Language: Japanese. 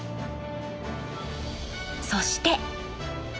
そして。